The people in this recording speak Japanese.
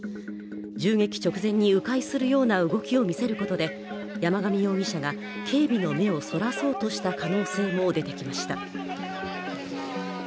銃撃直前にう回するような動きを見せることで警備の目をそらそうとした可能性も出てきました。